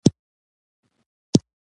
خټکی د دوبی نعمت دی.